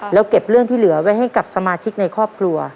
แล้วเก็บเรื่องที่เหลือไว้ให้กับสมาชิกในครอบครัว